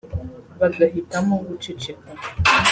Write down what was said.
bagahitamo guceceka